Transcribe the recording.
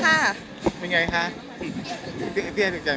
มันยังไงคะพี่เอถูกใจไหม